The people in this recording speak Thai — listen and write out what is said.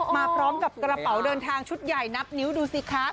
มาพร้อมกับกระเป๋าเดินทางชุดใหญ่นับนิ้วดูสิคะ